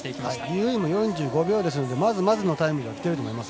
由井も４５秒ですのでまずまずのタイムで来ていると思います。